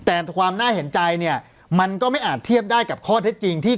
แต่ความน่าเห็นใจเนี่ยมันก็ไม่อาจเทียบได้กับข้อเท็จจริงที่